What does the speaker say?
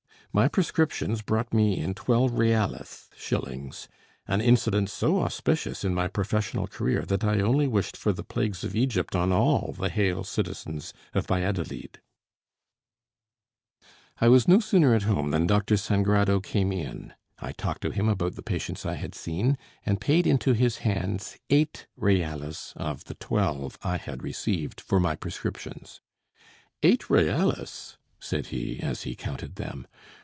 My prescriptions brought me in twelve reales (shillings) an incident so auspicious in my professional career that I only wished for the plagues of Egypt on all the hale citizens of Valladolid. I was no sooner at home than Dr. Sangrado came in. I talked to him about the patients I had seen, and paid into his hands eight reales of the twelve I had received for my prescriptions. "Eight reales!" said he, as he counted them.